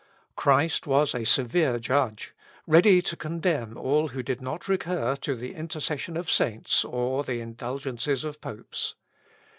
Christ was a severe judge, ready to condemn all who did not recur to the intercession of saints, or the indulgences of popes.